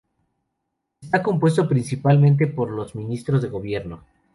Está compuesto principalmente por los ministros de gobierno.